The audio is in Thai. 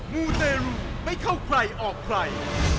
มูเตรูไม่เข้าใครออกใคร